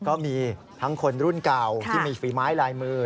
ก็มีทั้งคนรุ่นเก่าที่มีฝีไม้ลายมือ